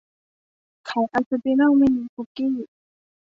ขายอาร์เซน่อลมินิคุกกี้